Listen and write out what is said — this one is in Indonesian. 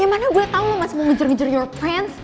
ya mana gue tau lo masih mau ngejar ngejar your friends